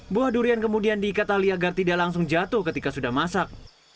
buah durian kemudian diikat tali agar tidak langsung jatuh ketika sudah masak